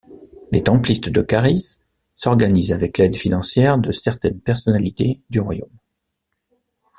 Les Templistes de Charis s’organisent avec l’aide financière de certaines personnalités du royaume.